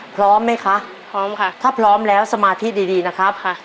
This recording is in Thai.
พร้อมไหมคะพร้อมค่ะถ้าพร้อมแล้วสมาธิดีดีนะครับค่ะ